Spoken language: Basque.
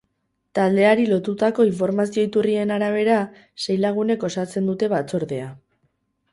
Taldeari lotutako informazio iturrien arabera, sei lagunek osatzen dute batzordea.